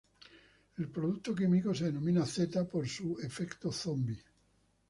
El producto químico se denomina "Z" por su efecto "zombi".